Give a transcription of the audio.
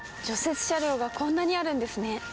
雪車両がこんなにあるんですね。